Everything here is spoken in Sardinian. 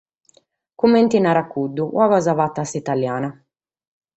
Comente narat cuddu: “una cosa fata a s’italiana”.